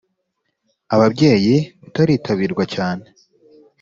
ababyeyi utaritabirwa cyane